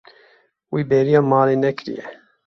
Wî bêriya malê nekiriye.